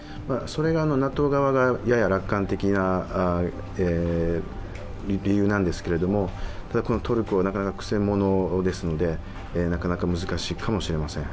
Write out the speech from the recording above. それがＮＡＴＯ側がやや楽観的な理由なんですけれども、トルコはなかなかくせ者ですのでなかなか難しいかもしれません。